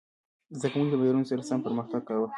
زده کوونکي د معیارونو سره سم پرمختګ کاوه.